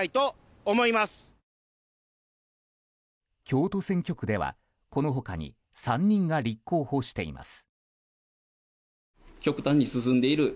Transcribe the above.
京都選挙区では、この他に３人が立候補しています。